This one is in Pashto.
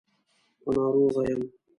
په ناروغه يم.